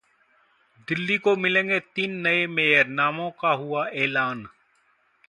दिल्ली को मिलेंगे तीन नए मेयर, नामों का हुआ ऐलान